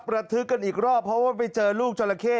ทึกกันอีกรอบเพราะว่าไปเจอลูกจราเข้